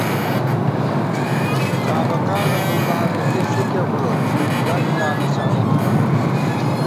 څابَکانہ بُمبارَکی ݪِکے بُڑوت ڈل لانہ سانہ تھِمان